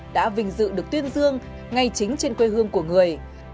đã vinh dự được tuyên dương ngay chính trên quê hương của người